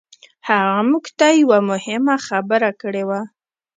هغه موږ ته يوه مهمه خبره کړې وه.